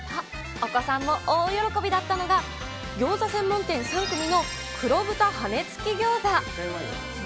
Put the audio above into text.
お子さんも大喜びだったのが、餃子専門店さんくみの、黒豚羽根つき餃子。